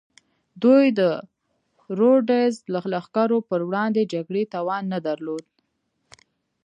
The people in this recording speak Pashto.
دوی د رودز د لښکرو پر وړاندې جګړې توان نه درلود.